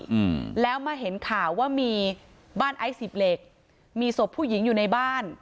อืมแล้วมาเห็นข่าวว่ามีบ้านไอซ์สิบเหล็กมีศพผู้หญิงอยู่ในบ้าน